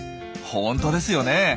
本当ですよね。